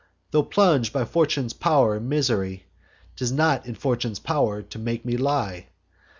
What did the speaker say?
Tho' plung'd by Fortune's pow'r in misery, 'Tis not in Fortune's pow'r to make me lie.